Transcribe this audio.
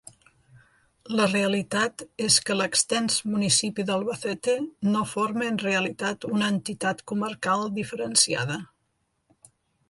La realitat és que l'extens municipi d'Albacete no forma en realitat una entitat comarcal diferenciada.